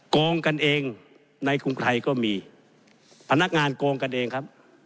โกงกันเองในกรุงไทยก็มีพนักงานโกงกันเองครับ